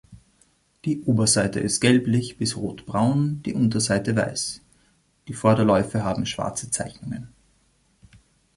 Die Oberseite ist gelblich bis rotbraun, die Unterseite weiß; die Vorderläufe haben schwarze Zeichnungen.